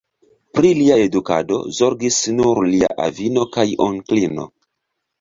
Pri lia edukado zorgis nur lia avino kaj onklino.